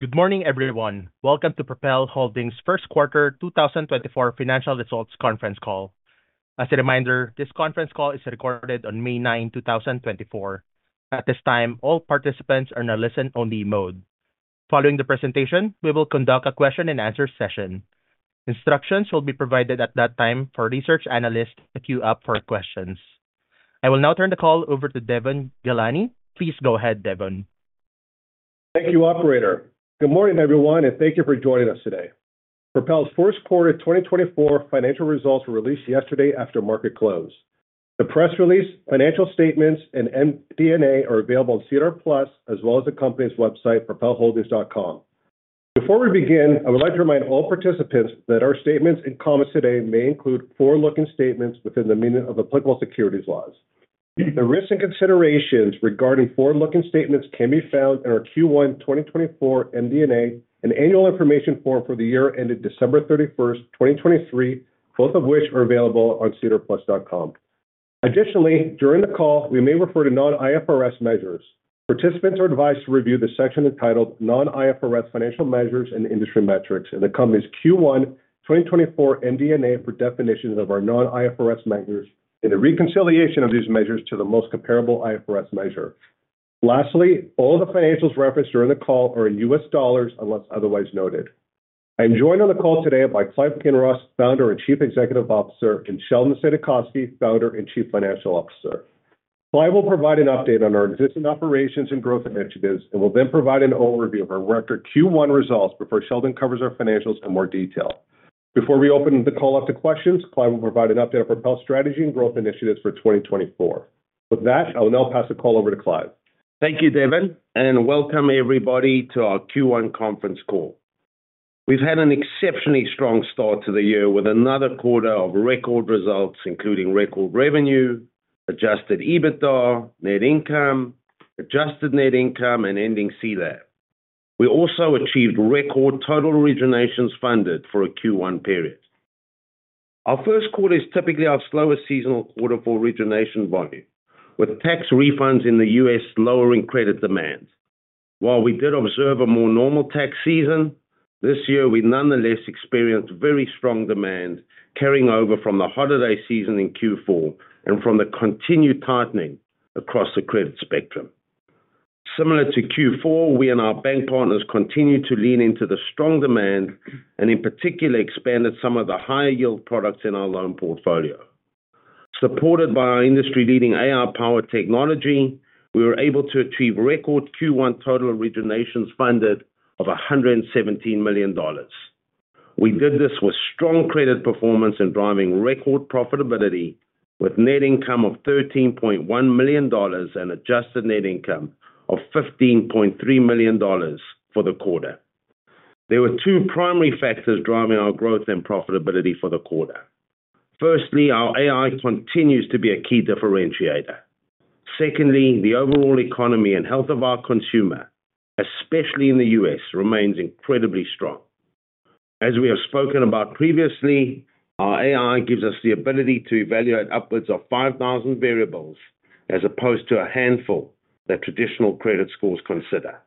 Good morning, everyone. Welcome to Propel Holdings' Q1 2024 Financial Results Conference Call. As a reminder, this conference call is recorded on May 9, 2024. At this time, all participants are in a listen-only mode. Following the presentation, we will conduct a question-and-answer session. Instructions will be provided at that time for research analysts to queue up for questions. I will now turn the call over to Devon Ghelani. Please go ahead, Devon. Thank you, Operator. Good morning, everyone, and thank you for joining us today. Propel's Q1 2024 financial results were released yesterday after market close. The press release, financial statements, and MD&A are available on SEDAR+ as well as the company's website, propelholdings.com. Before we begin, I would like to remind all participants that our statements and comments today may include forward-looking statements within the meaning of applicable securities laws. The risks and considerations regarding forward-looking statements can be found in our Q1 2024 MD&A, an annual information form for the year ended December 31, 2023, both of which are available on sedarplus.com. Additionally, during the call, we may refer to non-IFRS measures. Participants are advised to review the section entitled "Non-IFRS Financial Measures and Industry Metrics" in the company's Q1 2024 MD&A for definitions of our non-IFRS measures and the reconciliation of these measures to the most comparable IFRS measure. Lastly, all of the financials referenced during the call are in U.S. dollars unless otherwise noted. I am joined on the call today by Clive Kinross, Founder and Chief Executive Officer, and Sheldon Saidakovsky, Founder and Chief Financial Officer. Clive will provide an update on our existing operations and growth initiatives and will then provide an overview of our record Q1 results before Sheldon covers our financials in more detail. Before we open the call up to questions, Clive will provide an update on Propel's strategy and growth initiatives for 2024. With that, I will now pass the call over to Clive. Thank you, Devon, and welcome everybody to our Q1 conference call. We've had an exceptionally strong start to the year with another quarter of record results, including record revenue, Adjusted EBITDA, net income, Adjusted Net Income, and Ending CLAB. We also achieved record total originations funded for a Q1 period. Our Q1 is typically our slowest seasonal quarter for origination volume, with tax refunds in the U.S. lowering credit demand. While we did observe a more normal tax season, this year we nonetheless experienced very strong demand carrying over from the holiday season in Q4 and from the continued tightening across the credit spectrum. Similar to Q4, we and our bank partners continued to lean into the strong demand and in particular expanded some of the higher-yield products in our loan portfolio. Supported by our industry-leading AI-powered technology, we were able to achieve record Q1 total originations funded of $117 million. We did this with strong credit performance and driving record profitability, with net income of $13.1 million and adjusted net income of $15.3 million for the quarter. There were two primary factors driving our growth and profitability for the quarter. Firstly, our AI continues to be a key differentiator. Secondly, the overall economy and health of our consumer, especially in the U.S., remains incredibly strong. As we have spoken about previously, our AI gives us the ability to evaluate upwards of 5,000 variables as opposed to a handful that traditional credit scores consider.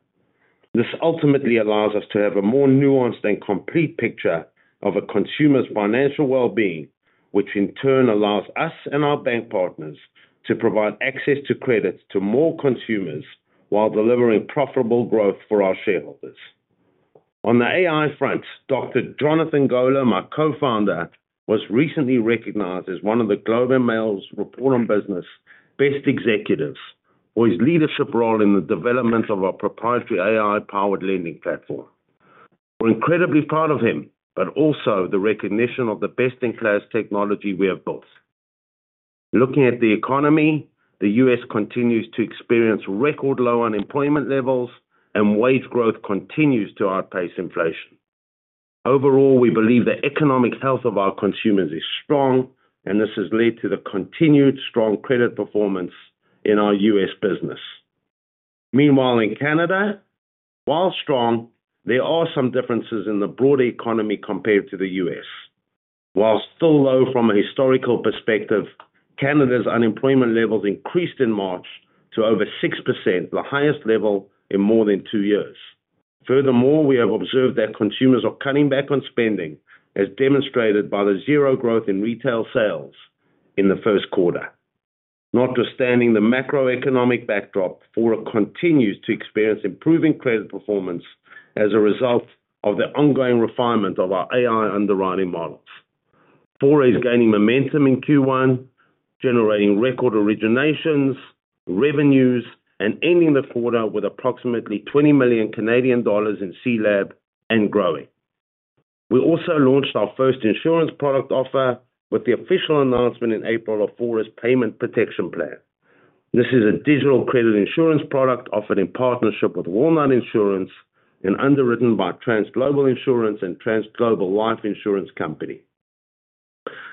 This ultimately allows us to have a more nuanced and complete picture of a consumer's financial well-being, which in turn allows us and our bank partners to provide access to credits to more consumers while delivering profitable growth for our shareholders. On the AI front, Dr. Jonathan Goler, my co-founder, was recently recognized as one of the Globe and Mail's Report on Business best executives for his leadership role in the development of our proprietary AI-powered lending platform. We're incredibly proud of him, but also the recognition of the best-in-class technology we have built. Looking at the economy, the U.S. continues to experience record low unemployment levels, and wage growth continues to outpace inflation. Overall, we believe the economic health of our consumers is strong, and this has led to the continued strong credit performance in our U.S. business. Meanwhile, in Canada, while strong, there are some differences in the broad economy compared to the U.S. While still low from a historical perspective, Canada's unemployment levels increased in March to over 6%, the highest level in more than two years. Furthermore, we have observed that consumers are cutting back on spending, as demonstrated by the zero growth in retail sales in the Q1. Notwithstanding the macroeconomic backdrop, Fora continues to experience improving credit performance as a result of the ongoing refinement of our AI underwriting models. Fora is gaining momentum in Q1, generating record originations, revenues, and ending the quarter with approximately $20 million in CLAB and growing. We also launched our first insurance product offer with the official announcement in April of Fora's Payment Protection Plan. This is a digital credit insurance product offered in partnership with Walnut Insurance and underwritten by Trans Global Insurance and Trans Global Life Insurance Company.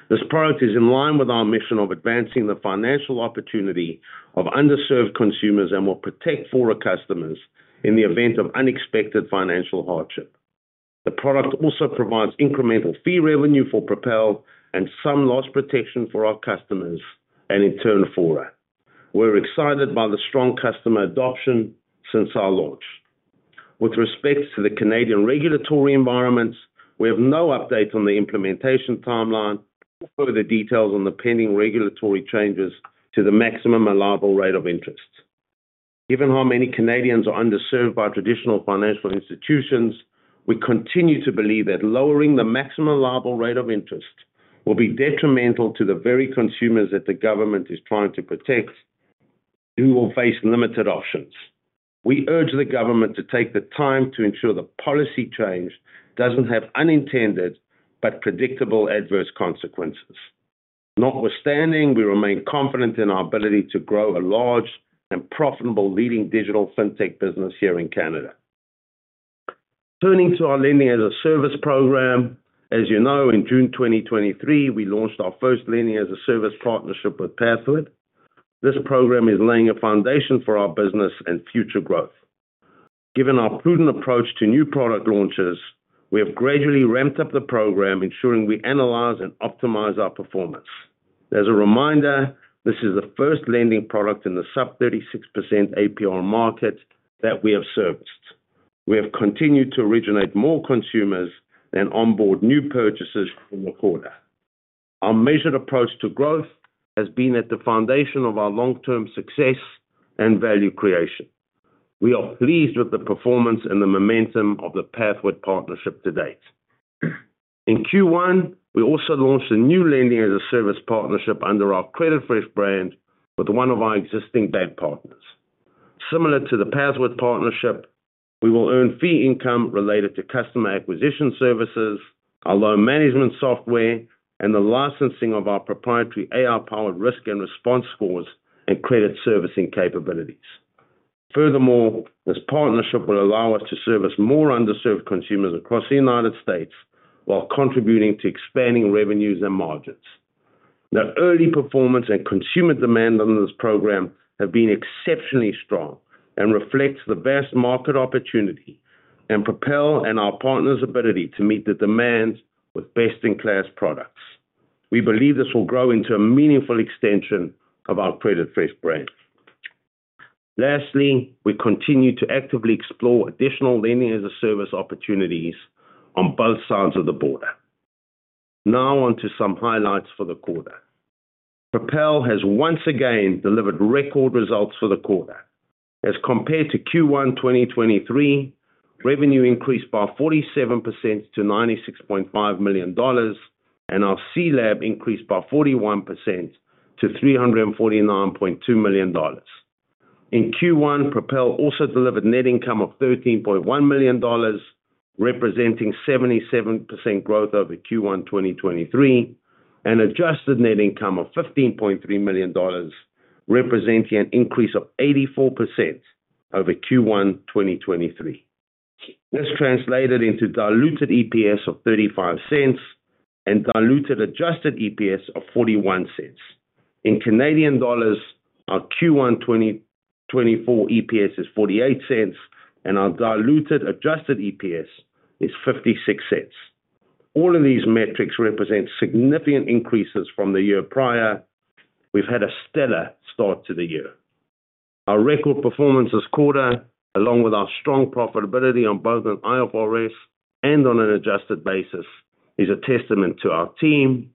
This product is in line with our mission of advancing the financial opportunity of underserved consumers and will protect Fora customers in the event of unexpected financial hardship. The product also provides incremental fee revenue for Propel and some loss protection for our customers, and in turn Fora. We're excited by the strong customer adoption since our launch. With respect to the Canadian regulatory environments, we have no update on the implementation timeline or further details on the pending regulatory changes to the maximum allowable rate of interest. Given how many Canadians are underserved by traditional financial institutions, we continue to believe that lowering the maximum allowable rate of interest will be detrimental to the very consumers that the government is trying to protect, who will face limited options. We urge the government to take the time to ensure the policy change doesn't have unintended but predictable adverse consequences. Notwithstanding, we remain confident in our ability to grow a large and profitable leading digital fintech business here in Canada. Turning to our lending-as-a-service program, as you know, in June 2023, we launched our first lending-as-a-service partnership with Pathward. This program is laying a foundation for our business and future growth. Given our prudent approach to new product launches, we have gradually ramped up the program, ensuring we analyze and optimize our performance. As a reminder, this is the first lending product in the sub-36% APR market that we have serviced. We have continued to originate more consumers and onboard new purchases in the quarter. Our measured approach to growth has been at the foundation of our long-term success and value creation. We are pleased with the performance and the momentum of the Pathward partnership to date. In Q1, we also launched a new lending-as-a-service partnership under our CreditFresh brand with one of our existing bank partners. Similar to the Pathward partnership, we will earn fee income related to customer acquisition services, our loan management software, and the licensing of our proprietary AI-powered risk and response scores and credit servicing capabilities. Furthermore, this partnership will allow us to service more underserved consumers across the United States while contributing to expanding revenues and margins. The early performance and consumer demand under this program have been exceptionally strong and reflect the vast market opportunity and Propel and our partners' ability to meet the demand with best-in-class products. We believe this will grow into a meaningful extension of our CreditFresh brand. Lastly, we continue to actively explore additional lending-as-a-service opportunities on both sides of the border. Now onto some highlights for the quarter. Propel has once again delivered record results for the quarter. As compared to Q1 2023, revenue increased by 47% to $96.5 million, and our CLAB increased by 41% to $349.2 million. In Q1, Propel also delivered net income of $13.1 million, representing 77% growth over Q1 2023, and adjusted net income of $15.3 million, representing an increase of 84% over Q1 2023. This translated into diluted EPS of $0.35 and diluted adjusted EPS of $0.41. In Canadian dollars, our Q1 2024 EPS is 0.48, and our diluted adjusted EPS is 0.56. All of these metrics represent significant increases from the year prior. We've had a stellar start to the year. Our record performance this quarter, along with our strong profitability on both an IFRS and on an adjusted basis, is a testament to our team,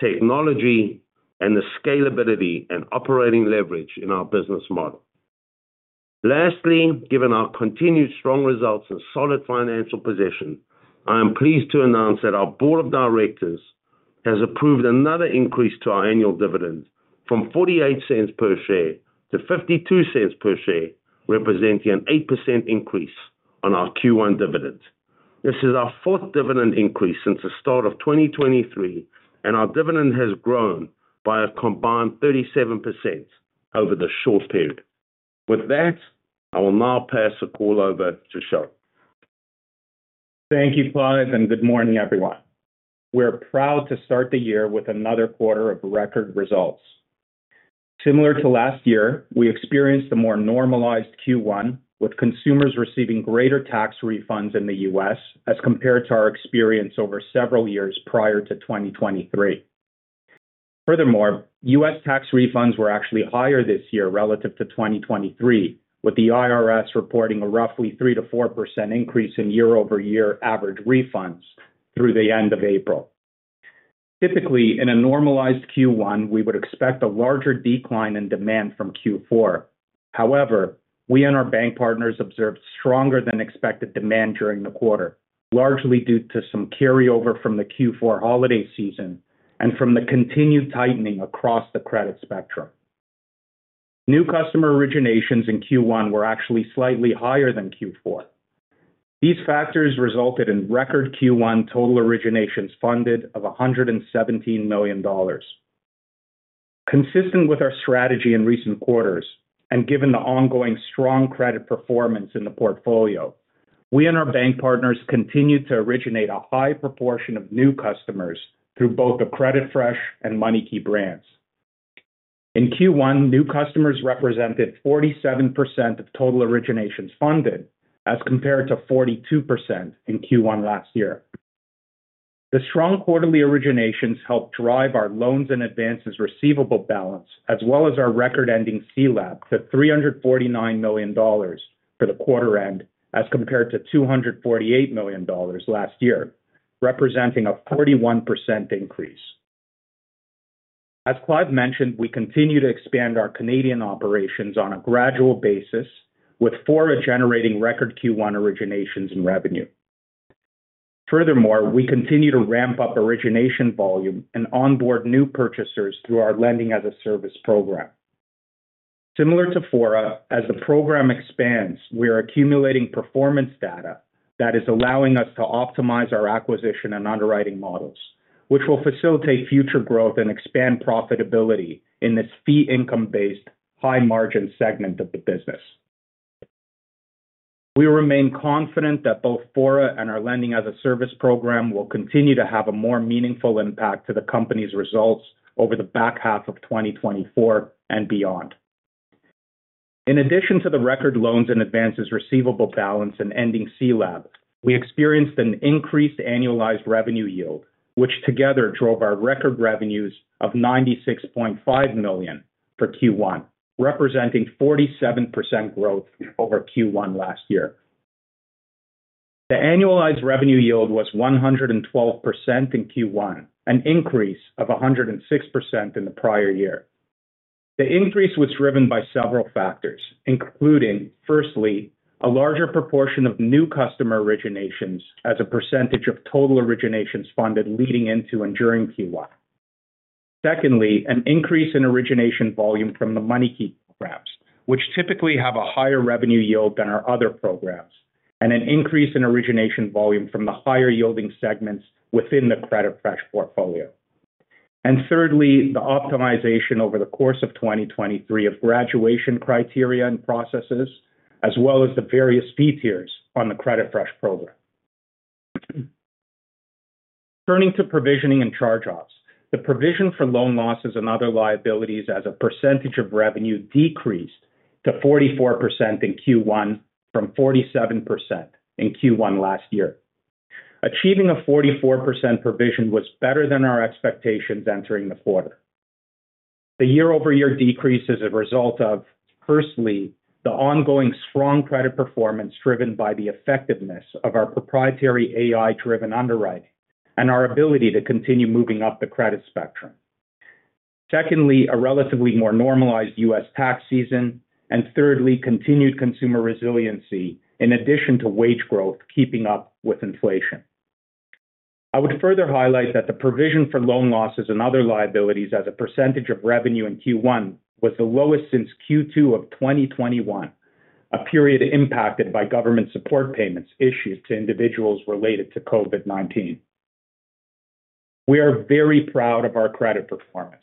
technology, and the scalability and operating leverage in our business model. Lastly, given our continued strong results and solid financial position, I am pleased to announce that our board of directors has approved another increase to our annual dividend from 0.48 per share to 0.52 per share, representing an 8% increase on our Q1 dividend. This is our fourth dividend increase since the start of 2023, and our dividend has grown by a combined 37% over the short period. With that, I will now pass the call over to Sheldon. Thank you, Clive, and good morning, everyone. We're proud to start the year with another quarter of record results. Similar to last year, we experienced a more normalized Q1, with consumers receiving greater tax refunds in the U.S. as compared to our experience over several years prior to 2023. Furthermore, U.S. tax refunds were actually higher this year relative to 2023, with the IRS reporting a roughly 3%-4% increase in year-over-year average refunds through the end of April. Typically, in a normalized Q1, we would expect a larger decline in demand from Q4. However, we and our bank partners observed stronger-than-expected demand during the quarter, largely due to some carryover from the Q4 holiday season and from the continued tightening across the credit spectrum. New customer originations in Q1 were actually slightly higher than Q4. These factors resulted in record Q1 total originations funded of $117 million. Consistent with our strategy in recent quarters and given the ongoing strong credit performance in the portfolio, we and our bank partners continue to originate a high proportion of new customers through both the CreditFresh and MoneyKey brands. In Q1, new customers represented 47% of total originations funded as compared to 42% in Q1 last year. The strong quarterly originations helped drive our Loans and Advances Receivable balance, as well as our record-ending CLAB to $349 million for the quarter-end as compared to $248 million last year, representing a 41% increase. As Clive mentioned, we continue to expand our Canadian operations on a gradual basis, with Fora generating record Q1 originations and revenue. Furthermore, we continue to ramp up origination volume and onboard new purchasers through our lending-as-a-service program. Similar to Fora, as the program expands, we are accumulating performance data that is allowing us to optimize our acquisition and underwriting models, which will facilitate future growth and expand profitability in this fee-income-based, high-margin segment of the business. We remain confident that both Fora and our lending-as-a-service program will continue to have a more meaningful impact to the company's results over the back half of 2024 and beyond. In addition to the record Loans and Advances Receivable balance and ending CLAB, we experienced an increased Annualized Revenue Yield, which together drove our record revenues of $96.5 million for Q1, representing 47% growth over Q1 last year. The Annualized Revenue Yield was 112% in Q1, an increase of 106% in the prior year. The increase was driven by several factors, including, firstly, a larger proportion of new customer originations as a percentage of total originations funded leading into and during Q1. Secondly, an increase in origination volume from the MoneyKey programs, which typically have a higher revenue yield than our other programs, and an increase in origination volume from the higher-yielding segments within the CreditFresh portfolio. And thirdly, the optimization over the course of 2023 of graduation criteria and processes, as well as the various fee tiers on the CreditFresh program. Turning to provisioning and charge-offs, the provision for loan losses and other liabilities as a percentage of revenue decreased to 44% in Q1 from 47% in Q1 last year. Achieving a 44% provision was better than our expectations entering the quarter. The year-over-year decrease is a result of, firstly, the ongoing strong credit performance driven by the effectiveness of our proprietary AI-driven underwriting and our ability to continue moving up the credit spectrum. Secondly, a relatively more normalized U.S. tax season. And thirdly, continued consumer resiliency in addition to wage growth keeping up with inflation. I would further highlight that the provision for loan losses and other liabilities as a percentage of revenue in Q1 was the lowest since Q2 of 2021, a period impacted by government support payments issued to individuals related to COVID-19. We are very proud of our credit performance.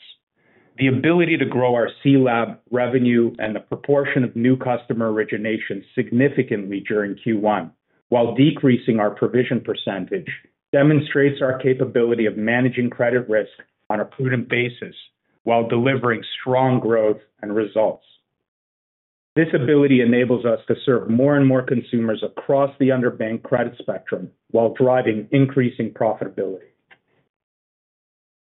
The ability to grow our CLAB revenue and the proportion of new customer originations significantly during Q1 while decreasing our provision percentage demonstrates our capability of managing credit risk on a prudent basis while delivering strong growth and results. This ability enables us to serve more and more consumers across the underbank credit spectrum while driving increasing profitability.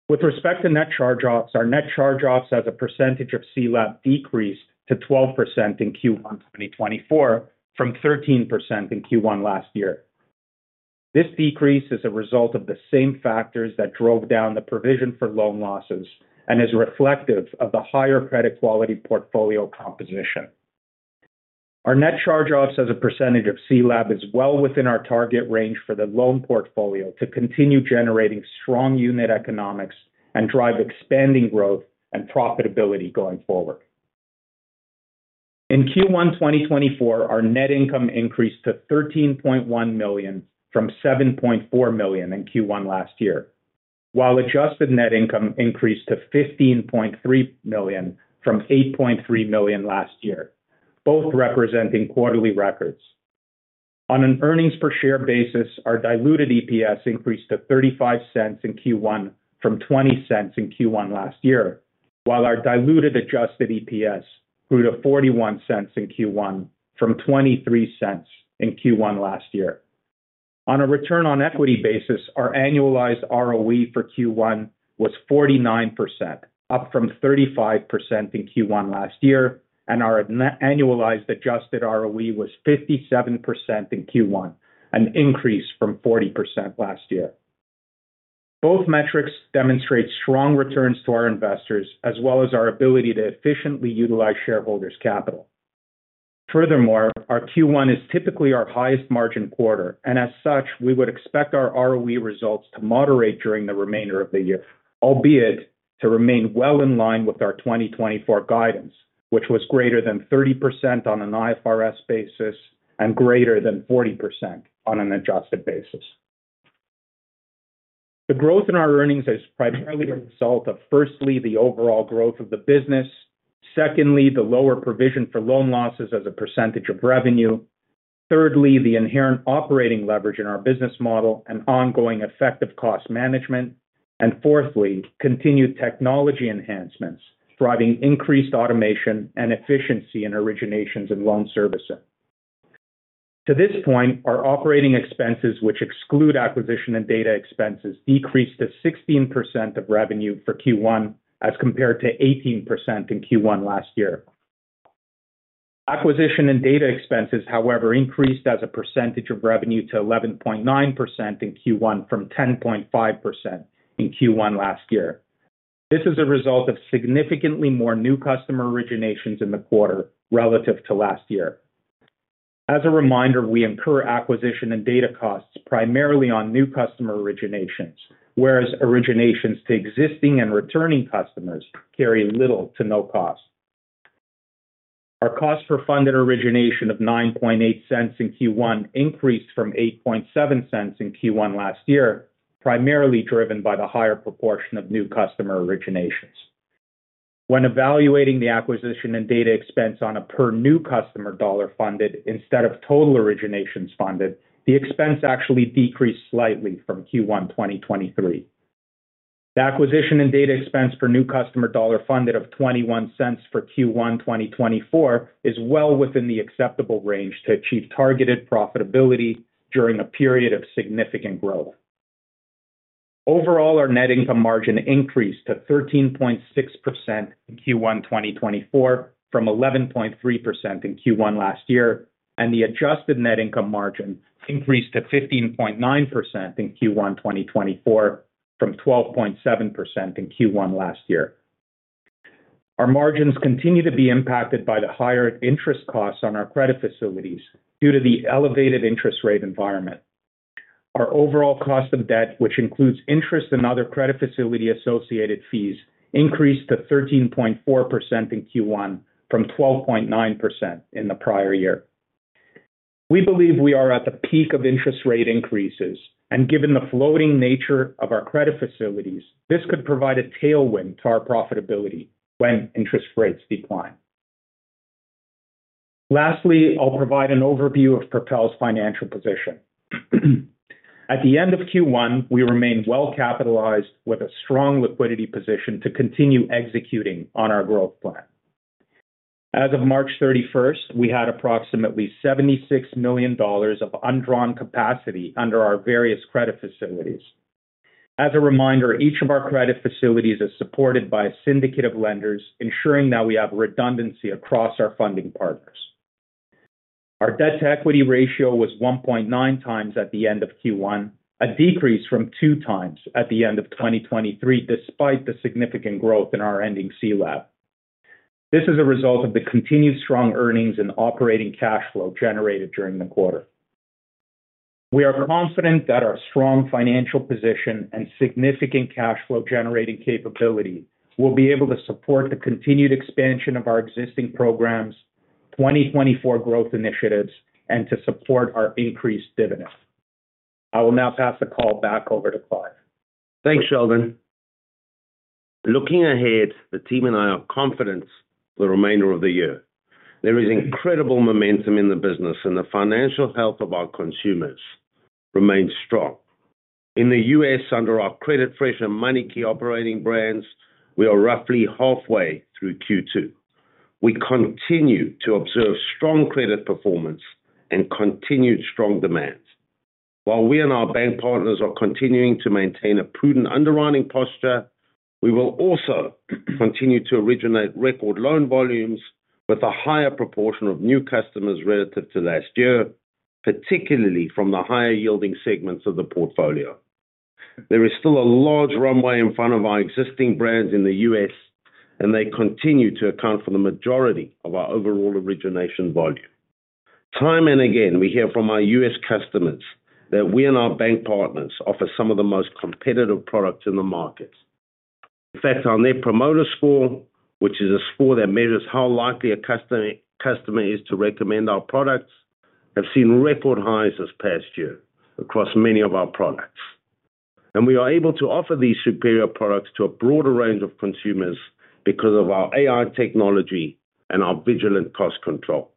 With respect to net charge-offs, our net charge-offs as a percentage of CLAB decreased to 12% in Q1 2024 from 13% in Q1 last year. This decrease is a result of the same factors that drove down the provision for loan losses and is reflective of the higher credit quality portfolio composition. Our net charge-offs as a percentage of CLAB is well within our target range for the loan portfolio to continue generating strong unit economics and drive expanding growth and profitability going forward. In Q1 2024, our net income increased to 13.1 million from 7.4 million in Q1 last year, while adjusted net income increased to 15.3 million from 8.3 million last year, both representing quarterly records. On an earnings-per-share basis, our diluted EPS increased to $0.35 in Q1 from $0.20 in Q1 last year, while our diluted adjusted EPS grew to $0.41 in Q1 from $0.23 in Q1 last year. On a Return on Equity basis, our annualized ROE for Q1 was 49%, up from 35% in Q1 last year, and our annualized adjusted ROE was 57% in Q1, an increase from 40% last year. Both metrics demonstrate strong returns to our investors as well as our ability to efficiently utilize shareholders' capital. Furthermore, our Q1 is typically our highest-margin quarter, and as such, we would expect our ROE results to moderate during the remainder of the year, albeit to remain well in line with our 2024 guidance, which was greater than 30% on an IFRS basis and greater than 40% on an adjusted basis. The growth in our earnings is primarily a result of, firstly, the overall growth of the business. Secondly, the lower provision for loan losses as a percentage of revenue. Thirdly, the inherent operating leverage in our business model and ongoing effective cost management. And fourthly, continued technology enhancements driving increased automation and efficiency in originations and loan servicing. To this point, our operating expenses, which exclude acquisition and data expenses, decreased to 16% of revenue for Q1 as compared to 18% in Q1 last year. Acquisition and data expenses, however, increased as a percentage of revenue to 11.9% in Q1 from 10.5% in Q1 last year. This is a result of significantly more new customer originations in the quarter relative to last year. As a reminder, we incur acquisition and data costs primarily on new customer originations, whereas originations to existing and returning customers carry little to no cost. Our Cost Per Funded Origination of 0.98 in Q1 increased from 0.87 in Q1 last year, primarily driven by the higher proportion of new customer originations. When evaluating the acquisition and data expense on a per-new-customer dollar funded instead of total originations funded, the expense actually decreased slightly from Q1 2023. The acquisition and data expense per-new-customer dollar funded of 0.21 for Q1 2024 is well within the acceptable range to achieve targeted profitability during a period of significant growth. Overall, our net income margin increased to 13.6% in Q1 2024 from 11.3% in Q1 last year, and the adjusted net income margin increased to 15.9% in Q1 2024 from 12.7% in Q1 last year. Our margins continue to be impacted by the higher interest costs on our credit facilities due to the elevated interest rate environment. Our overall cost of debt, which includes interest and other credit facility-associated fees, increased to 13.4% in Q1 from 12.9% in the prior year. We believe we are at the peak of interest rate increases, and given the floating nature of our credit facilities, this could provide a tailwind to our profitability when interest rates decline. Lastly, I'll provide an overview of Propel's financial position. At the end of Q1, we remain well-capitalized with a strong liquidity position to continue executing on our growth plan. As of March 31st, we had approximately $76 million of undrawn capacity under our various credit facilities. As a reminder, each of our credit facilities is supported by a syndicate of lenders, ensuring that we have redundancy across our funding partners. Our debt-to-equity ratio was 1.9 times at the end of Q1, a decrease from 2 times at the end of 2023 despite the significant growth in our ending CLAB. This is a result of the continued strong earnings and operating cash flow generated during the quarter. We are confident that our strong financial position and significant cash flow-generating capability will be able to support the continued expansion of our existing programs, 2024 growth initiatives, and to support our increased dividend. I will now pass the call back over to Clive. Thanks, Sheldon. Looking ahead, the team and I are confident for the remainder of the year. There is incredible momentum in the business, and the financial health of our consumers remains strong. In the U.S., under our CreditFresh and MoneyKey operating brands, we are roughly halfway through Q2. We continue to observe strong credit performance and continued strong demands. While we and our bank partners are continuing to maintain a prudent underwriting posture, we will also continue to originate record loan volumes with a higher proportion of new customers relative to last year, particularly from the higher-yielding segments of the portfolio. There is still a large runway in front of our existing brands in the U.S., and they continue to account for the majority of our overall origination volume. Time and again, we hear from our U.S. customers that we and our bank partners offer some of the most competitive products in the markets. In fact, our Net Promoter Score, which is a score that measures how likely a customer is to recommend our products, have seen record highs this past year across many of our products. We are able to offer these superior products to a broader range of consumers because of our AI technology and our vigilant cost control.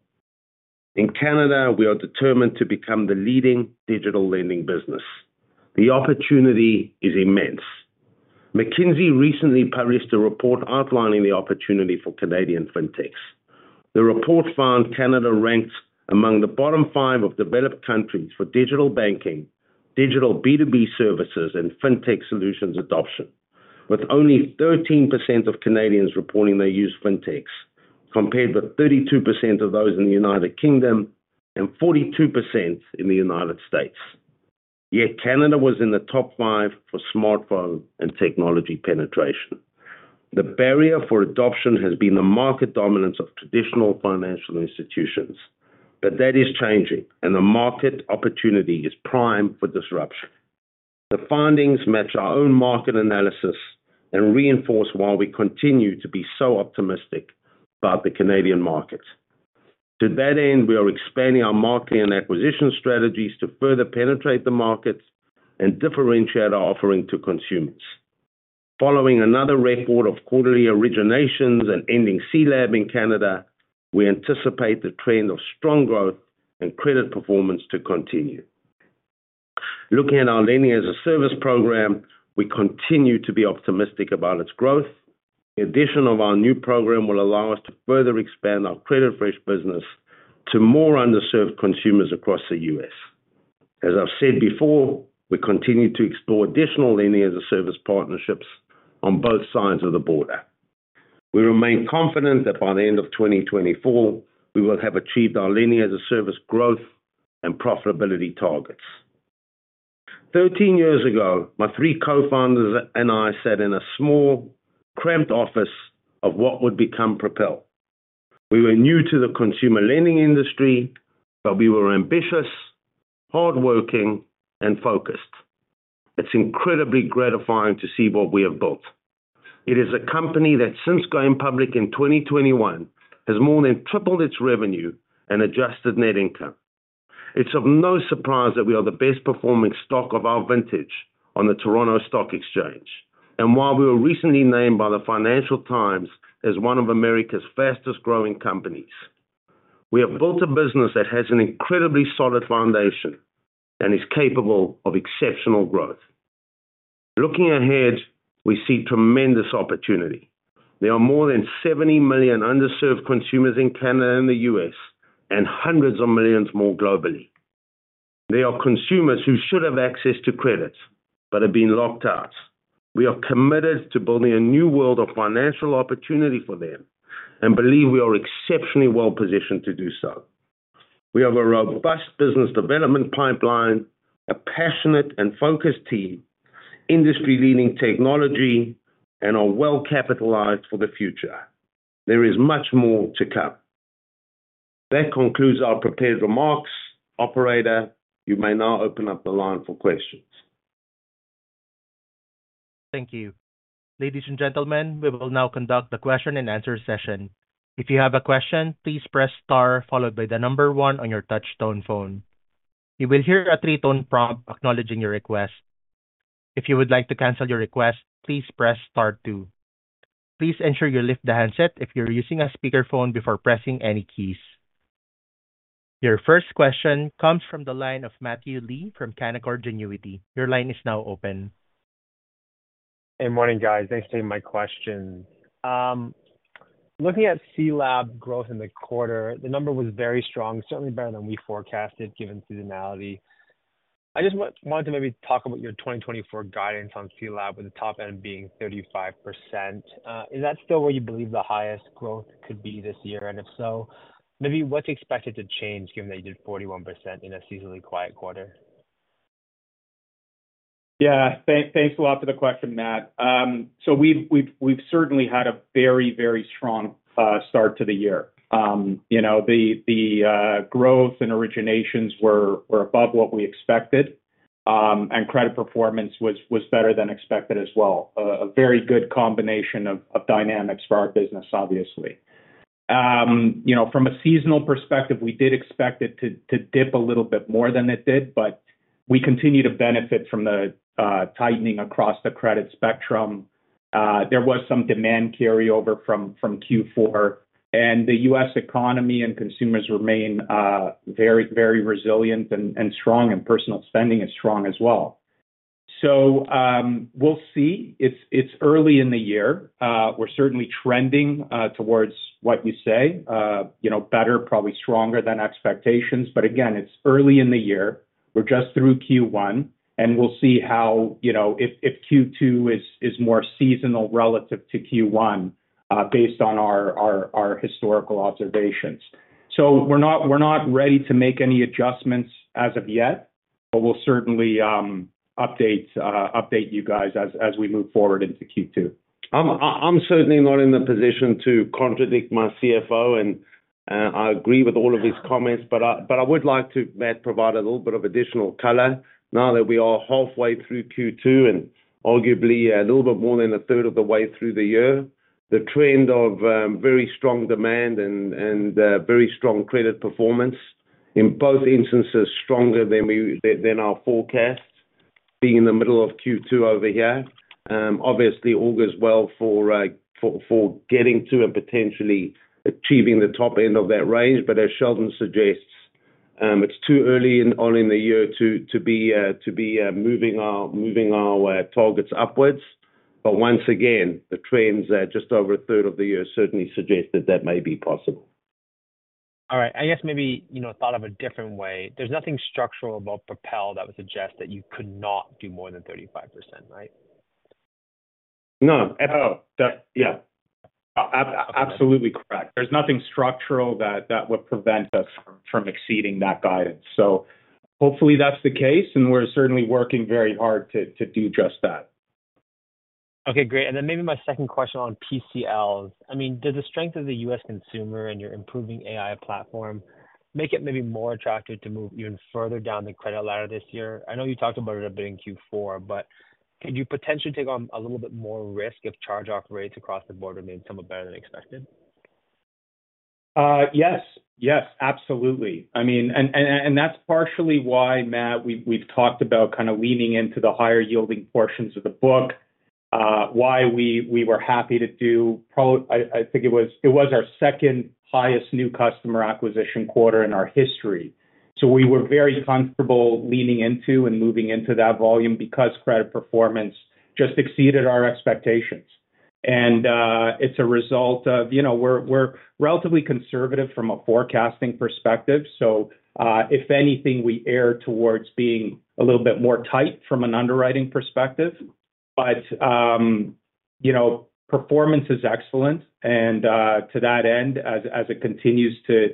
In Canada, we are determined to become the leading digital lending business. The opportunity is immense. McKinsey recently published a report outlining the opportunity for Canadian fintechs. The report found Canada ranked among the bottom five of developed countries for digital banking, digital B2B services, and fintech solutions adoption, with only 13% of Canadians reporting they use fintechs, compared with 32% of those in the United Kingdom and 42% in the United States. Yet Canada was in the top five for smartphone and technology penetration. The barrier for adoption has been the market dominance of traditional financial institutions, but that is changing, and the market opportunity is prime for disruption. The findings match our own market analysis and reinforce why we continue to be so optimistic about the Canadian market. To that end, we are expanding our marketing and acquisition strategies to further penetrate the market and differentiate our offering to consumers. Following another record of quarterly originations and ending CLAB in Canada, we anticipate the trend of strong growth and credit performance to continue. Looking at our Lending-as-a-Service program, we continue to be optimistic about its growth. The addition of our new program will allow us to further expand our CreditFresh business to more underserved consumers across the U.S. As I've said before, we continue to explore additional Lending-as-a-Service partnerships on both sides of the border. We remain confident that by the end of 2024, we will have achieved our Lending-as-a-Service growth and profitability targets. 13 years ago, my 3 co-founders and I sat in a small, cramped office of what would become Propel. We were new to the consumer lending industry, but we were ambitious, hardworking, and focused. It's incredibly gratifying to see what we have built. It is a company that, since going public in 2021, has more than tripled its revenue and Adjusted Net Income. It's of no surprise that we are the best-performing stock of our vintage on the Toronto Stock Exchange, and while we were recently named by the Financial Times as one of America's fastest-growing companies, we have built a business that has an incredibly solid foundation and is capable of exceptional growth. Looking ahead, we see tremendous opportunity. There are more than 70 million underserved consumers in Canada and the U.S., and hundreds of millions more globally. They are consumers who should have access to credit but have been locked out. We are committed to building a new world of financial opportunity for them and believe we are exceptionally well-positioned to do so. We have a robust business development pipeline, a passionate and focused team, industry-leading technology, and are well-capitalized for the future. There is much more to come. That concludes our prepared remarks. Operator, you may now open up the line for questions. Thank you. Ladies and gentlemen, we will now conduct the question-and-answer session. If you have a question, please press * followed by the number 1 on your touch-tone phone. You will hear a three-tone prompt acknowledging your request. If you would like to cancel your request, please press *2. Please ensure you lift the handset if you're using a speakerphone before pressing any keys. Your first question comes from the line of Matthew Lee from Canaccord Genuity. Your line is now open. Good morning, guys. Thanks for taking my questions. Looking at CLAB growth in the quarter, the number was very strong, certainly better than we forecasted given seasonality. I just wanted to maybe talk about your 2024 guidance on CLAB, with the top end being 35%. Is that still where you believe the highest growth could be this year? And if so, maybe what's expected to change given that you did 41% in a seasonally quiet quarter? Yeah, thanks a lot for the question, Matt. So we've certainly had a very, very strong start to the year. The growth and originations were above what we expected, and credit performance was better than expected as well. A very good combination of dynamics for our business, obviously. From a seasonal perspective, we did expect it to dip a little bit more than it did, but we continue to benefit from the tightening across the credit spectrum. There was some demand carryover from Q4, and the U.S. economy and consumers remain very, very resilient and strong, and personal spending is strong as well. So we'll see. It's early in the year. We're certainly trending towards what you say, better, probably stronger than expectations. But again, it's early in the year. We're just through Q1, and we'll see if Q2 is more seasonal relative to Q1 based on our historical observations. We're not ready to make any adjustments as of yet, but we'll certainly update you guys as we move forward into Q2. I'm certainly not in the position to contradict my CFO, and I agree with all of his comments. But I would like to, Matt, provide a little bit of additional color. Now that we are halfway through Q2 and arguably a little bit more than a third of the way through the year, the trend of very strong demand and very strong credit performance, in both instances, stronger than our forecast, being in the middle of Q2 over here. Obviously, augurs well for getting to and potentially achieving the top end of that range. But as Sheldon suggests, it's too early on in the year to be moving our targets upwards. But once again, the trends just over a third of the year certainly suggest that that may be possible. All right. I guess maybe thought of a different way. There's nothing structural about Propel that would suggest that you could not do more than 35%, right? No, at all. Yeah. Absolutely correct. There's nothing structural that would prevent us from exceeding that guidance. Hopefully, that's the case, and we're certainly working very hard to do just that. Okay, great. And then maybe my second question on PCLs. I mean, does the strength of the U.S. consumer and your improving AI platform make it maybe more attractive to move even further down the credit ladder this year? I know you talked about it a bit in Q4, but could you potentially take on a little bit more risk if charge-off rates across the border made some of it better than expected? Yes, yes, absolutely. I mean, and that's partially why, Matt, we've talked about kind of leaning into the higher-yielding portions of the book, why we were happy to do I think it was our second-highest new customer acquisition quarter in our history. So we were very comfortable leaning into and moving into that volume because credit performance just exceeded our expectations. And it's a result of we're relatively conservative from a forecasting perspective. So if anything, we err towards being a little bit more tight from an underwriting perspective. But performance is excellent. And to that end, as it continues to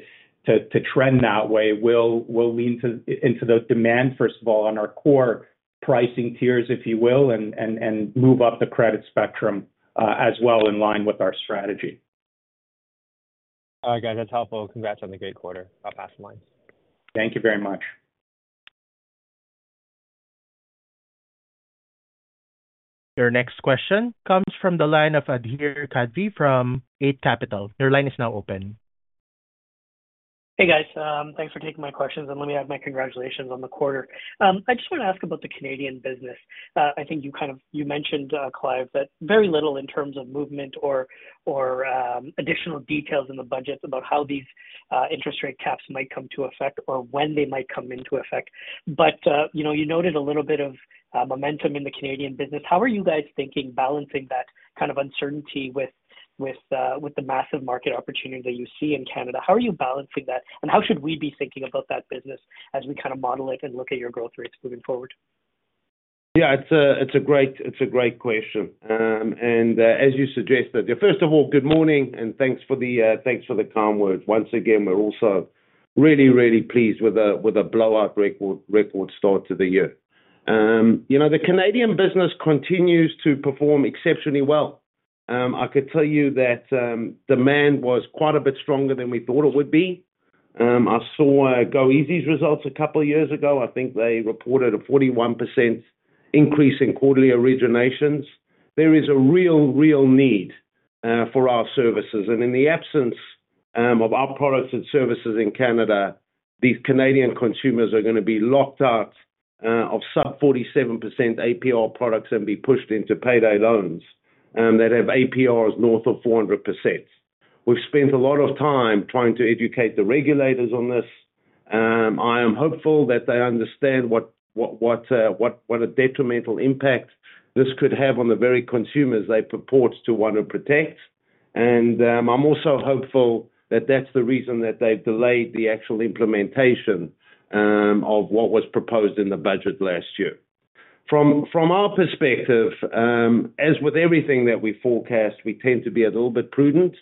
trend that way, we'll lean into the demand, first of all, on our core pricing tiers, if you will, and move up the credit spectrum as well in line with our strategy. All right, guys. That's helpful. Congrats on the great quarter. I'll pass the line. Thank you very much. Your next question comes from the line of Adhir Kadve from Eight Capital. Your line is now open. Hey, guys. Thanks for taking my questions. Let me add my congratulations on the quarter. I just want to ask about the Canadian business. I think you mentioned, Clive, that very little in terms of movement or additional details in the budgets about how these interest rate caps might come to effect or when they might come into effect. You noted a little bit of momentum in the Canadian business. How are you guys thinking balancing that kind of uncertainty with the massive market opportunity that you see in Canada? How are you balancing that? How should we be thinking about that business as we kind of model it and look at your growth rates moving forward? Yeah, it's a great question. And as you suggested, first of all, good morning, and thanks for the calm words. Once again, we're also really, really pleased with a blowout record start to the year. The Canadian business continues to perform exceptionally well. I could tell you that demand was quite a bit stronger than we thought it would be. I saw goeasy's results a couple of years ago. I think they reported a 41% increase in quarterly originations. There is a real, real need for our services. And in the absence of our products and services in Canada, these Canadian consumers are going to be locked out of sub-47% APR products and be pushed into payday loans that have APRs north of 400%. We've spent a lot of time trying to educate the regulators on this. I am hopeful that they understand what a detrimental impact this could have on the very consumers they purport to want to protect. I'm also hopeful that that's the reason that they've delayed the actual implementation of what was proposed in the budget last year. From our perspective, as with everything that we forecast, we tend to be a little bit prudent.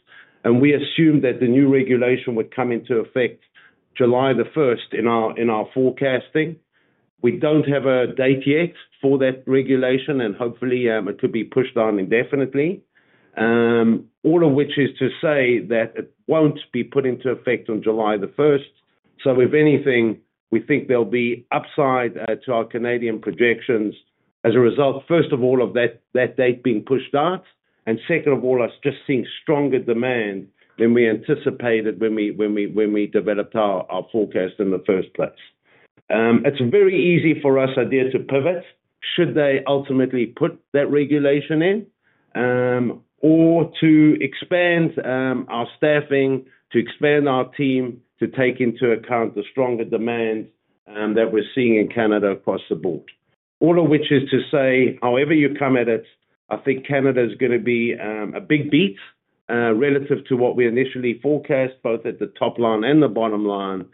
We assume that the new regulation would come into effect July 1st in our forecasting. We don't have a date yet for that regulation, and hopefully, it could be pushed on indefinitely, all of which is to say that it won't be put into effect on July 1st. So if anything, we think there'll be upside to our Canadian projections as a result, first of all, of that date being pushed out, and second of all, us just seeing stronger demand than we anticipated when we developed our forecast in the first place. It's very easy for us, Adhir, to pivot should they ultimately put that regulation in or to expand our staffing, to expand our team, to take into account the stronger demand that we're seeing in Canada across the board, all of which is to say, however you come at it, I think Canada is going to be a big beat relative to what we initially forecast, both at the top line and the bottom line.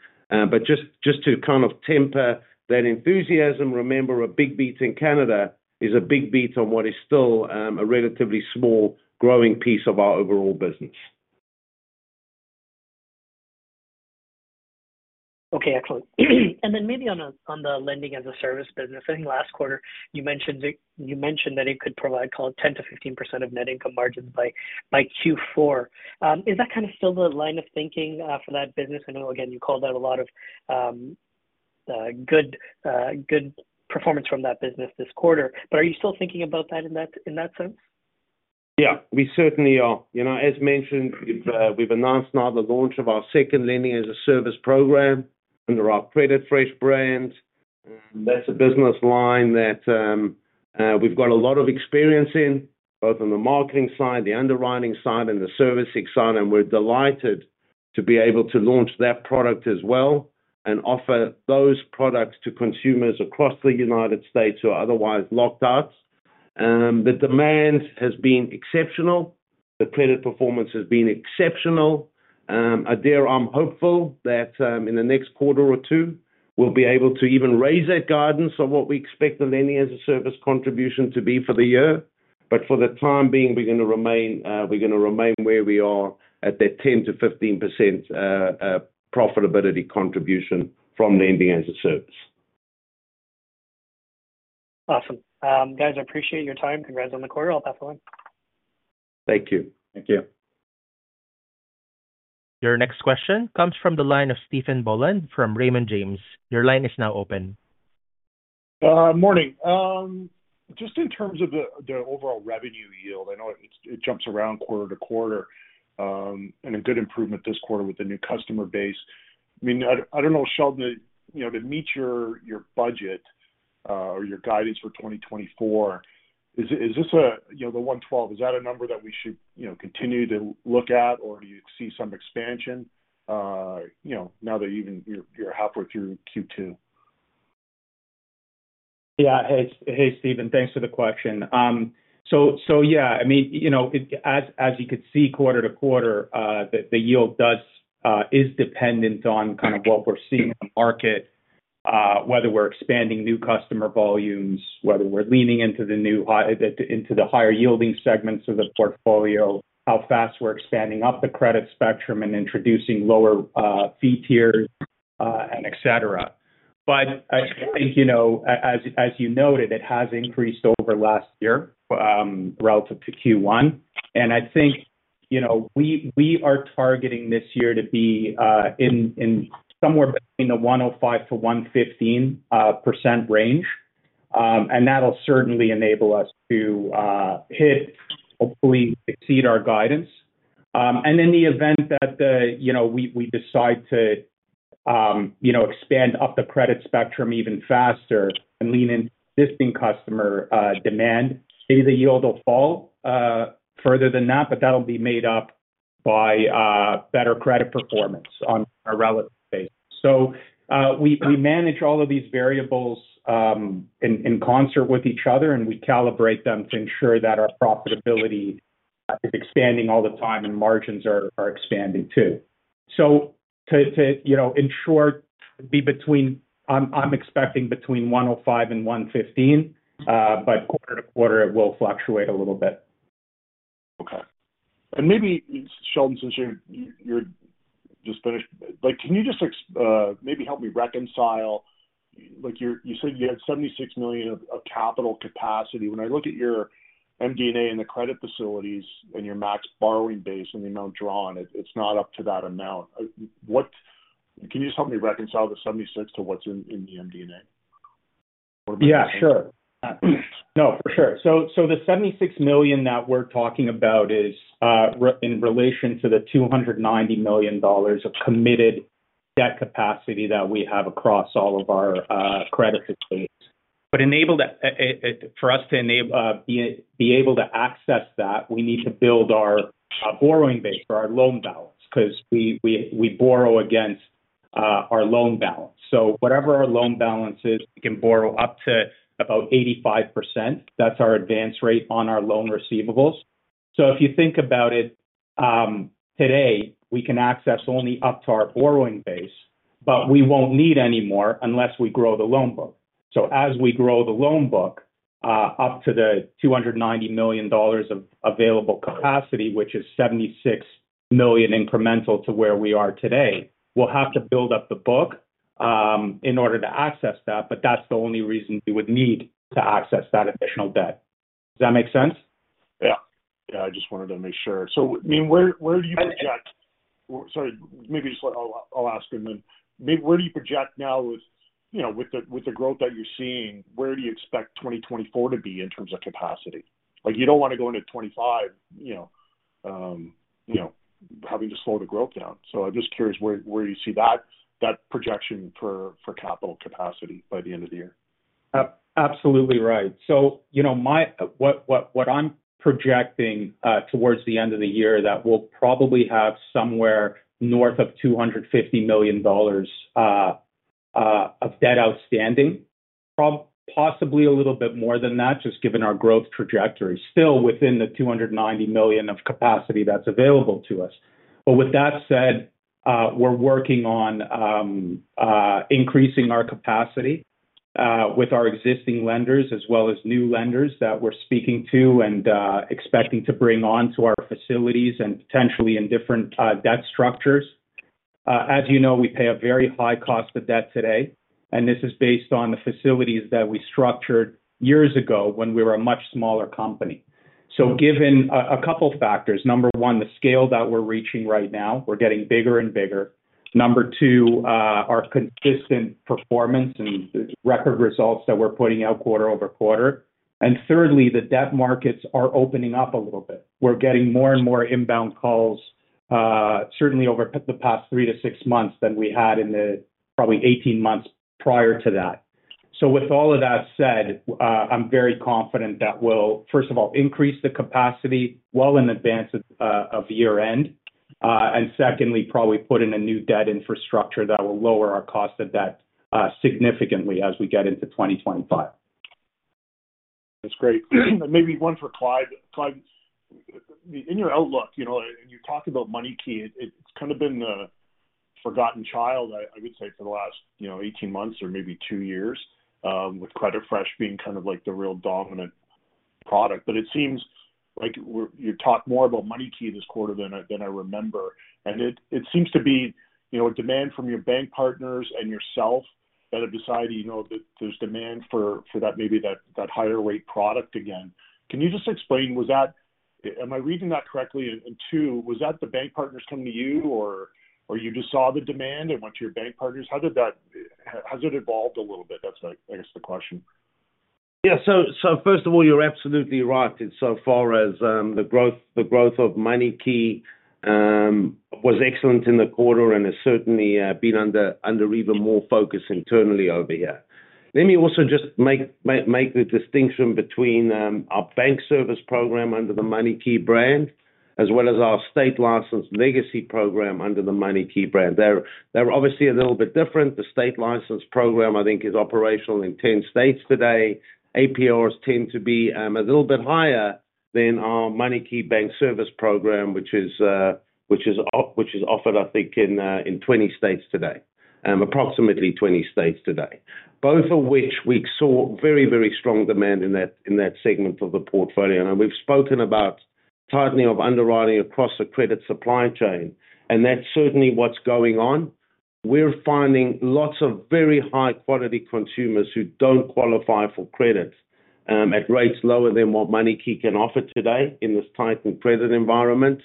Just to kind of temper that enthusiasm, remember, a big beat in Canada is a big beat on what is still a relatively small growing piece of our overall business. Okay, excellent. And then maybe on the lending as a service business, I think last quarter, you mentioned that it could provide call it 10%-15% of net income margins by Q4. Is that kind of still the line of thinking for that business? I know, again, you called out a lot of good performance from that business this quarter. But are you still thinking about that in that sense? Yeah, we certainly are. As mentioned, we've announced now the launch of our second lending as a service program under our CreditFresh brand. That's a business line that we've got a lot of experience in, both on the marketing side, the underwriting side, and the servicing side. We're delighted to be able to launch that product as well and offer those products to consumers across the United States who are otherwise locked out. The demand has been exceptional. The credit performance has been exceptional. Adhir, I'm hopeful that in the next quarter or two, we'll be able to even raise that guidance on what we expect the lending as a service contribution to be for the year. For the time being, we're going to remain where we are at that 10%-15% profitability contribution from lending as a service. Awesome. Guys, I appreciate your time. Congrats on the quarter. I'll pass the line. Thank you. Thank you. Your next question comes from the line of Stephen Boland from Raymond James. Your line is now open. Morning. Just in terms of the overall revenue yield, I know it jumps around quarter-to-quarter and a good improvement this quarter with the new customer base. I mean, I don't know, Sheldon, to meet your budget or your guidance for 2024, is this the 112? Is that a number that we should continue to look at, or do you see some expansion now that you're halfway through Q2? Yeah. Hey, Stephen. Thanks for the question. So yeah, I mean, as you could see quarter-over-quarter, the yield is dependent on kind of what we're seeing in the market, whether we're expanding new customer volumes, whether we're leaning into the higher-yielding segments of the portfolio, how fast we're expanding up the credit spectrum and introducing lower fee tiers, etc. But I think, as you noted, it has increased over last year relative to Q1. I think we are targeting this year to be in somewhere between the 105%-115% range. That'll certainly enable us to hit, hopefully, exceed our guidance. In the event that we decide to expand up the credit spectrum even faster and lean into existing customer demand, maybe the yield will fall further than that, but that'll be made up by better credit performance on a relative basis. So we manage all of these variables in concert with each other, and we calibrate them to ensure that our profitability is expanding all the time and margins are expanding too. So, to ensure, I'm expecting between 105-115, but quarter-to-quarter, it will fluctuate a little bit. Okay. And maybe, Sheldon, since you just finished, can you just maybe help me reconcile? You said you had 76 million of capital capacity. When I look at your MD&A and the credit facilities and your max borrowing base and the amount drawn, it's not up to that amount. Can you just help me reconcile the 76 to what's in the MD&A? What about that? Yeah, sure. No, for sure. So the $76 million that we're talking about is in relation to the $290 million of committed debt capacity that we have across all of our credit facilities. But for us to be able to access that, we need to build our borrowing base or our loan balance because we borrow against our loan balance. So whatever our loan balance is, we can borrow up to about 85%. That's our advance rate on our loan receivables. So if you think about it, today, we can access only up to our borrowing base, but we won't need any more unless we grow the loan book. So as we grow the loan book up to the $290 million of available capacity, which is $76 million incremental to where we are today, we'll have to build up the book in order to access that. But that's the only reason we would need to access that additional debt. Does that make sense? Yeah. Yeah, I just wanted to make sure. So I mean, where do you project? Sorry, maybe just I'll ask him then. Where do you project now with the growth that you're seeing? Where do you expect 2024 to be in terms of capacity? You don't want to go into 2025 having to slow the growth down. So I'm just curious where you see that projection for capital capacity by the end of the year. Absolutely right. So what I'm projecting towards the end of the year that we'll probably have somewhere north of $250 million of debt outstanding, possibly a little bit more than that, just given our growth trajectory, still within the $290 million of capacity that's available to us. But with that said, we're working on increasing our capacity with our existing lenders as well as new lenders that we're speaking to and expecting to bring onto our facilities and potentially in different debt structures. As you know, we pay a very high cost of debt today. And this is based on the facilities that we structured years ago when we were a much smaller company. So given a couple of factors, number one, the scale that we're reaching right now, we're getting bigger and bigger. Number two, our consistent performance and record results that we're putting out quarter-over-quarter. And thirdly, the debt markets are opening up a little bit. We're getting more and more inbound calls, certainly over the past 3-6 months than we had in the probably 18 months prior to that. So with all of that said, I'm very confident that we'll, first of all, increase the capacity well in advance of year-end. And secondly, probably put in a new debt infrastructure that will lower our cost of debt significantly as we get into 2025. That's great. And maybe one for Clive. Clive, in your outlook, and you talk about MoneyKey, it's kind of been the forgotten child, I would say, for the last 18 months or maybe 2 years, with CreditFresh being kind of like the real dominant product. But it seems like you've talked more about MoneyKey this quarter than I remember. And it seems to be demand from your bank partners and yourself that have decided that there's demand for maybe that higher-rate product again. Can you just explain, am I reading that correctly? And two, was that the bank partners coming to you, or you just saw the demand and went to your bank partners? How has it evolved a little bit? That's, I guess, the question. Yeah. So first of all, you're absolutely right insofar as the growth of MoneyKey was excellent in the quarter and has certainly been under even more focus internally over here. Let me also just make the distinction between our bank service program under the MoneyKey brand as well as our state-licensed legacy program under the MoneyKey brand. They're obviously a little bit different. The state-licensed program, I think, is operational in 10 states today. APRs tend to be a little bit higher than our MoneyKey bank service program, which is offered, I think, in 20 states today, approximately 20 states today, both of which we saw very, very strong demand in that segment of the portfolio. And we've spoken about tightening of underwriting across the credit supply chain. And that's certainly what's going on. We're finding lots of very high-quality consumers who don't qualify for credit at rates lower than what MoneyKey can offer today in this tightened credit environment.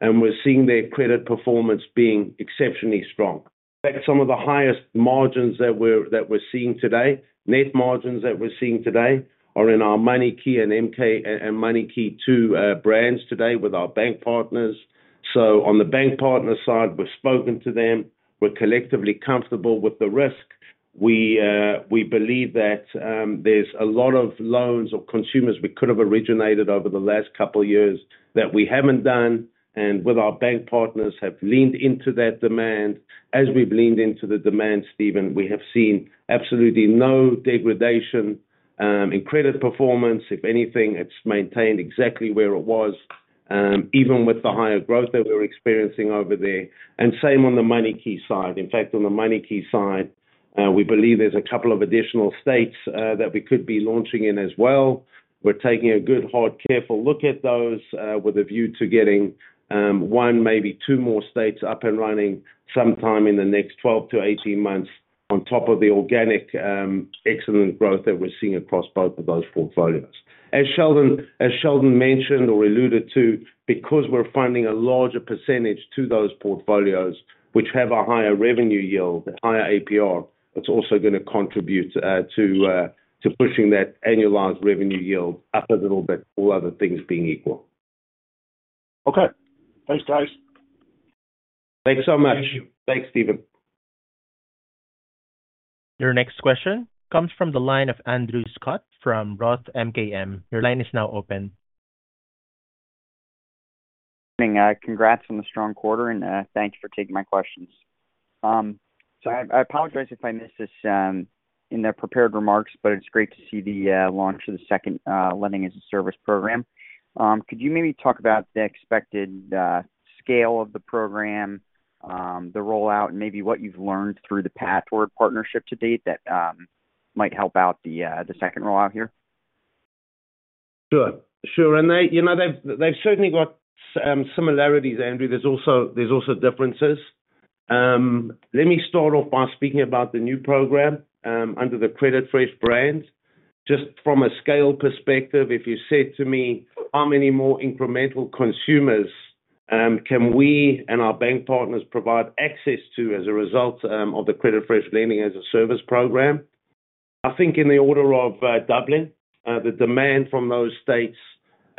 We're seeing their credit performance being exceptionally strong. In fact, some of the highest margins that we're seeing today, net margins that we're seeing today, are in our MoneyKey and MoneyKey 2 brands today with our bank partners. On the bank partner side, we've spoken to them. We're collectively comfortable with the risk. We believe that there's a lot of loans or consumers we could have originated over the last couple of years that we haven't done and with our bank partners have leaned into that demand. As we've leaned into the demand, Stephen, we have seen absolutely no degradation in credit performance. If anything, it's maintained exactly where it was, even with the higher growth that we were experiencing over there. Same on the MoneyKey side. In fact, on the MoneyKey side, we believe there's a couple of additional states that we could be launching in as well. We're taking a good, hard, careful look at those with a view to getting, 1, maybe 2 more states up and running sometime in the next 12-18 months on top of the organic excellent growth that we're seeing across both of those portfolios. As Sheldon mentioned or alluded to, because we're funding a larger percentage to those portfolios which have a higher revenue yield, higher APR, it's also going to contribute to pushing that Annualized Revenue Yield up a little bit, all other things being equal. Okay. Thanks, guys. Thanks so much. Thank you. Thanks, Stephen. Your next question comes from the line of Andrew Scott from Roth MKM. Your line is now open. Good evening. Congrats on the strong quarter, and thank you for taking my questions. So I apologize if I missed this in the prepared remarks, but it's great to see the launch of the second lending as a service program. Could you maybe talk about the expected scale of the program, the rollout, and maybe what you've learned through the Pathward partnership to date that might help out the second rollout here? Sure. Sure. And they've certainly got similarities, Andrew. There's also differences. Let me start off by speaking about the new program under the CreditFresh brand. Just from a scale perspective, if you said to me, "How many more incremental consumers can we and our bank partners provide access to as a result of the CreditFresh lending as a service program?" I think in the order of doubling, the demand from those states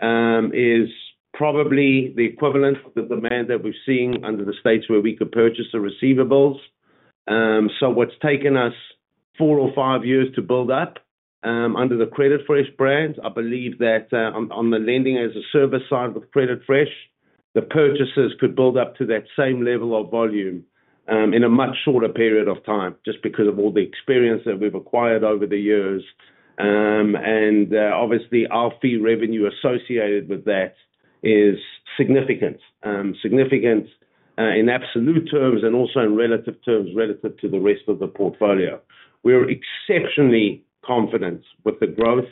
is probably the equivalent of the demand that we're seeing under the states where we could purchase the receivables. So what's taken us 4 or 5 years to build up under the CreditFresh brand, I believe that on the lending as a service side with CreditFresh, the purchases could build up to that same level of volume in a much shorter period of time just because of all the experience that we've acquired over the years. Obviously, our fee revenue associated with that is significant, significant in absolute terms and also in relative terms relative to the rest of the portfolio. We're exceptionally confident with the growth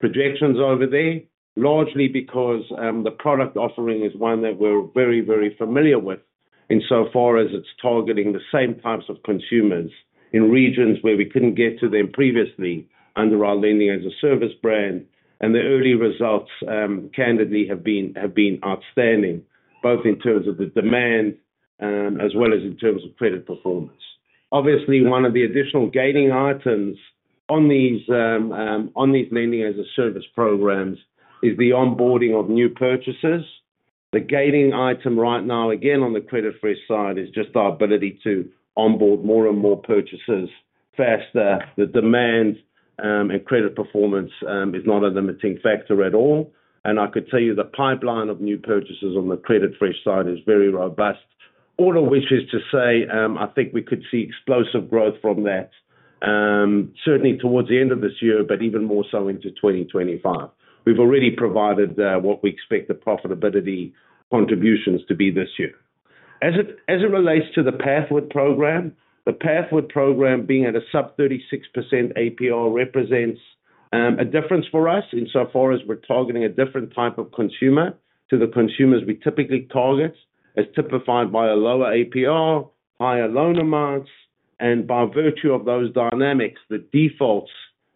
projections over there, largely because the product offering is one that we're very, very familiar with insofar as it's targeting the same types of consumers in regions where we couldn't get to them previously under our lending-as-a-service brand. The early results candidly have been outstanding, both in terms of the demand as well as in terms of credit performance. Obviously, one of the additional gating items on these lending-as-a-service programs is the onboarding of new purchases. The gaiting item right now, again, on the CreditFresh side is just our ability to onboard more and more purchases faster. The demand and credit performance is not a limiting factor at all. I could tell you the pipeline of new purchases on the CreditFresh side is very robust, all of which is to say I think we could see explosive growth from that, certainly towards the end of this year, but even more so into 2025. We've already provided what we expect the profitability contributions to be this year. As it relates to the Pathward program, the Pathward program being at a sub-36% APR represents a difference for us insofar as we're targeting a different type of consumer to the consumers we typically target as typified by a lower APR, higher loan amounts. By virtue of those dynamics, the defaults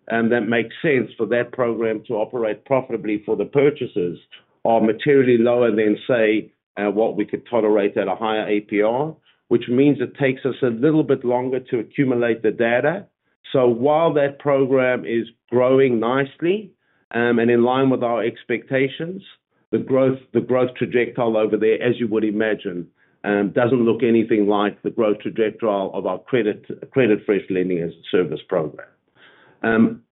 that make sense for that program to operate profitably for the purchases are materially lower than, say, what we could tolerate at a higher APR, which means it takes us a little bit longer to accumulate the data. So while that program is growing nicely and in line with our expectations, the growth trajectory over there, as you would imagine, doesn't look anything like the growth trajectory of our CreditFresh Lending as a Service program.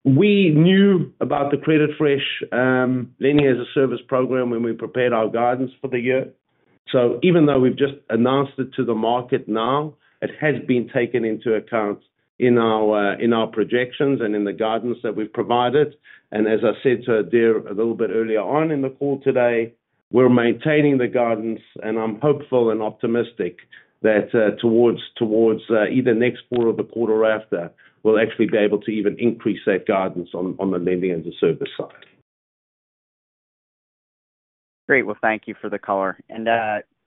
We knew about the CreditFresh Lending as a Service program when we prepared our guidance for the year. So even though we've just announced it to the market now, it has been taken into account in our projections and in the guidance that we've provided. And as I said to Adhir a little bit earlier on in the call today, we're maintaining the guidance. And I'm hopeful and optimistic that towards either next quarter or the quarter after, we'll actually be able to even increase that guidance on the Lending as a Service side. Great. Well, thank you for the color.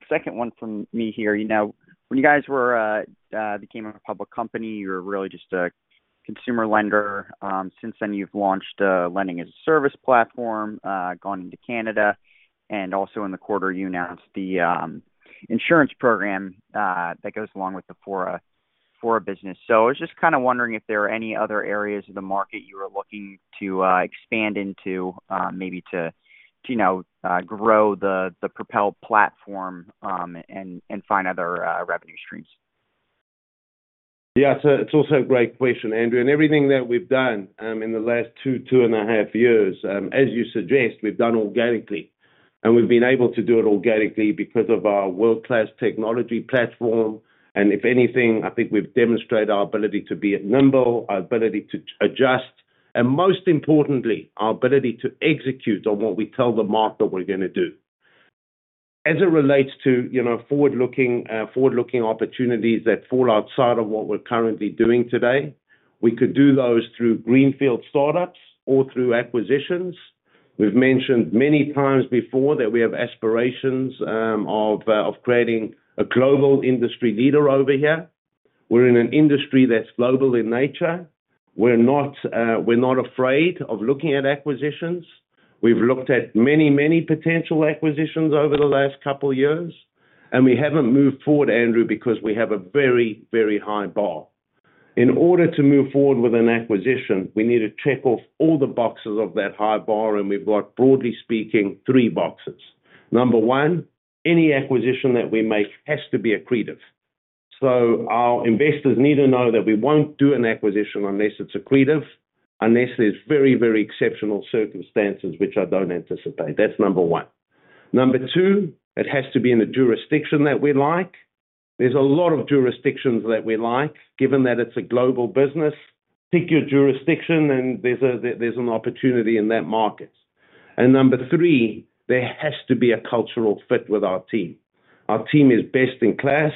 Second one from me here. When you guys became a public company, you were really just a consumer lender. Since then, you've launched a lending as a service platform, gone into Canada. Also in the quarter, you announced the insurance program that goes along with the Fora business. So I was just kind of wondering if there were any other areas of the market you were looking to expand into, maybe to grow the Propel platform and find other revenue streams. Yeah. It's also a great question, Andrew. And everything that we've done in the last 2, 2.5 years, as you suggest, we've done organically. And we've been able to do it organically because of our world-class technology platform. And if anything, I think we've demonstrated our ability to be nimble, our ability to adjust, and most importantly, our ability to execute on what we tell the market we're going to do. As it relates to forward-looking opportunities that fall outside of what we're currently doing today, we could do those through greenfield startups or through acquisitions. We've mentioned many times before that we have aspirations of creating a global industry leader over here. We're in an industry that's global in nature. We're not afraid of looking at acquisitions. We've looked at many, many potential acquisitions over the last couple of years. We haven't moved forward, Andrew, because we have a very, very high bar. In order to move forward with an acquisition, we need to check off all the boxes of that high bar. We've got, broadly speaking, three boxes. Number one, any acquisition that we make has to be accretive. So our investors need to know that we won't do an acquisition unless it's accretive, unless there's very, very exceptional circumstances which I don't anticipate. That's number one. Number two, it has to be in the jurisdiction that we like. There's a lot of jurisdictions that we like. Given that it's a global business, pick your jurisdiction, and there's an opportunity in that market. Number three, there has to be a cultural fit with our team. Our team is best in class.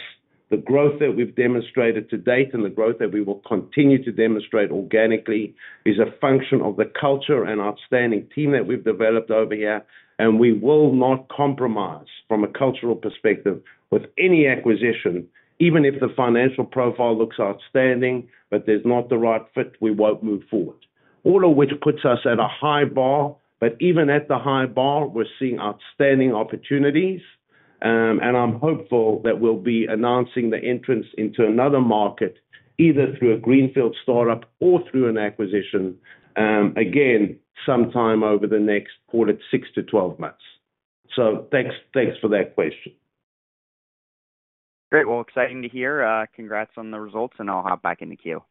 The growth that we've demonstrated to date and the growth that we will continue to demonstrate organically is a function of the culture and outstanding team that we've developed over here. We will not compromise from a cultural perspective with any acquisition, even if the financial profile looks outstanding, but there's not the right fit, we won't move forward, all of which puts us at a high bar. Even at the high bar, we're seeing outstanding opportunities. I'm hopeful that we'll be announcing the entrance into another market either through a greenfield startup or through an acquisition, again, sometime over the next quarter's 6-12 months. Thanks for that question. Great. Well, exciting to hear. Congrats on the results, and I'll hop back in the queue.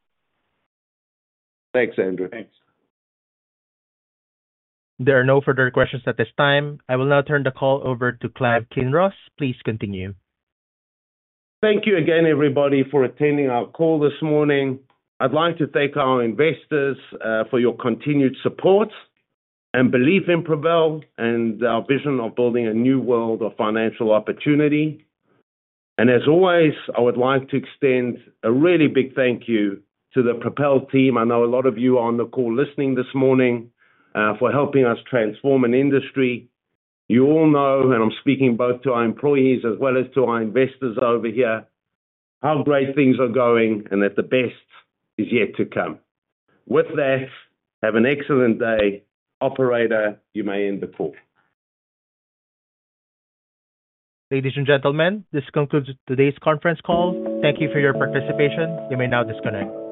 Thanks, Andrew. Thanks. There are no further questions at this time. I will now turn the call over to Clive Kinross. Please continue. Thank you again, everybody, for attending our call this morning. I'd like to thank our investors for your continued support and belief in Propel and our vision of building a new world of financial opportunity. As always, I would like to extend a really big thank you to the Propel team. I know a lot of you are on the call listening this morning for helping us transform an industry. You all know, and I'm speaking both to our employees as well as to our investors over here, how great things are going and that the best is yet to come. With that, have an excellent day. Operator, you may end the call. Ladies and gentlemen, this concludes today's conference call. Thank you for your participation. You may now disconnect.